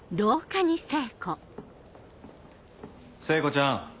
聖子ちゃん